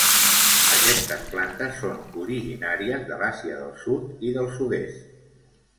Aquestes plantes són originàries de l'Àsia del Sud i del Sud-est.